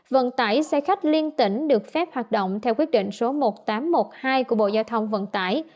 vận tải xe khách liên tỉnh được phép hoạt động theo quyết định số một nghìn tám trăm một mươi hai của bộ giao thông vận tải